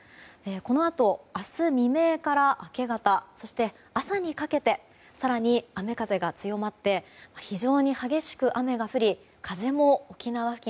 このあと、明日未明から明け方そして朝にかけて更に雨風が強まって非常に激しく雨が降り風も沖縄付近